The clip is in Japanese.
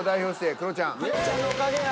クロちゃんのおかげや。